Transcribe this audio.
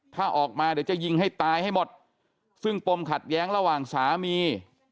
ถ้าออกมาเดี๋ยวจะยิงให้ตายให้หมดซึ่งปมขัดแย้งระหว่างสามี